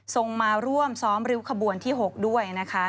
ส่งมาร่วมซ้อมริ้วขบวนที่๖ด้วยนะคะ